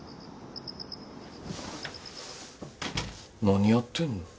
何やってんの。